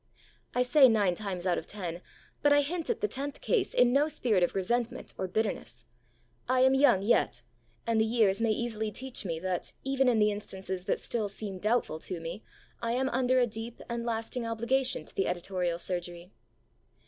I say nine times out of ten; but I hint at the tenth case in no spirit of resentment or bitterness. I am young yet, and the years may easily teach me that, even in the instances that still seem doubtful to me, I am under a deep and lasting obligation to the editorial surgery.